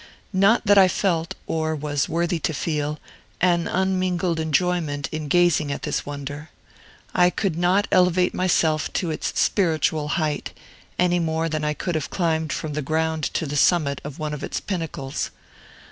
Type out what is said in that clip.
Not that I felt, or was worthy to feel, an unmingled enjoyment in gazing at this wonder. I could not elevate myself to its spiritual height, any more than I could have climbed from the ground to the summit of one of its pinnacles.